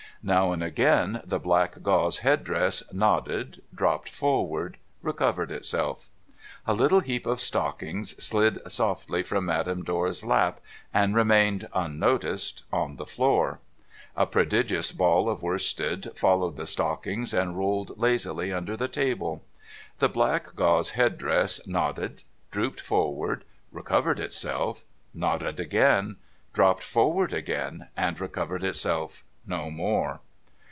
Now and again, the black gauze head dress nodded, dropped forward, re covered itself. A little heap of stockings slid softly from Madame Dor's lap, and remained unnoticed on the floor. A prodigious ball of worsted followed the stockings, and rolled lazily under the table. The black gauze head dress nodded, dropped forward, recovered itself, nodded again, dropped forward again, and recovered itself no more.